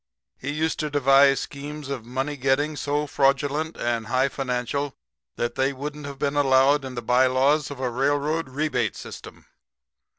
He used to devise schemes of money getting so fraudulent and high financial that they wouldn't have been allowed in the bylaws of a railroad rebate system.